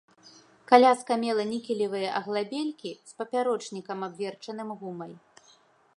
Каляска мела нікелевыя аглабелькі з папярочнікам, абверчаным гумай.